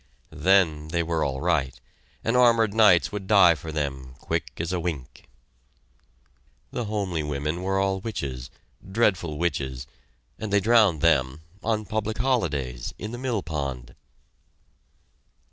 Then they were all right and armored knights would die for them quick as wink! The homely women were all witches, dreadful witches, and they drowned them, on public holidays, in the mill pond!